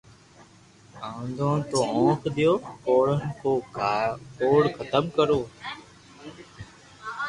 آندھن نو اونک ديو ڪوڙون را ڪوڙختم ڪرو